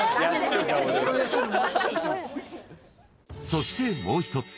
［そしてもう一つ］